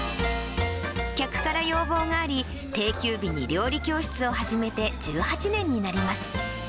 客から要望があり、定休日に料理教室を始めて１８年になります。